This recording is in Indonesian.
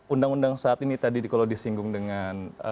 undang undang saat ini tadi kalau disinggung dengan